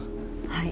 はい。